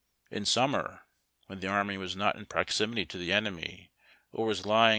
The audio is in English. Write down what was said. In summer, when the army was not in proximity to the enemy, or was lying SHELTERS AS